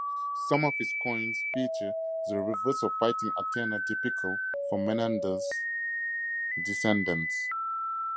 Some of his coins feature the reverse of fighting Athena typical for Menander's descendants.